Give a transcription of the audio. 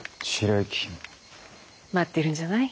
待ってるんじゃない？